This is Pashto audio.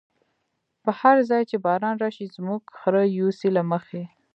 په هر ځای چی باران راشی، زمونږ خره یوسی له مخی